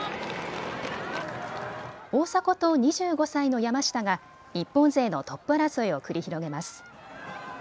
大迫と２５歳の山下が日本勢のトップ争いを繰り広げます。